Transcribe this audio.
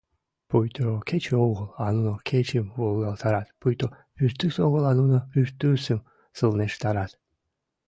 Пуйто кече огыл, а нуно кечым волгалтарат, пуйто пӱртӱс огыл, а нуно пӱртӱсым сылнештарат.